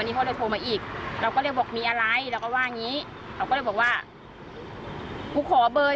ท่นมันจะเงินมาจะเงินไป